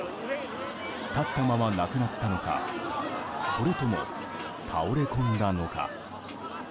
立ったまま亡くなったのかそれとも倒れ込んだのか。